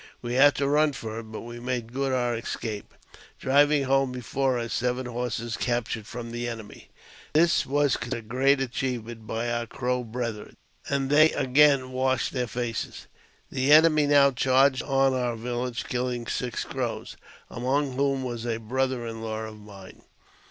We had to run for it ; but we made good our escape^ driving home before us seven horses captured from the enemy. This was considered a great achievement by our Crow brethren, and they again washed their faces. The enemy now charged upon our village, kiUing six Crow8,;| among whom was a brother in law of mine.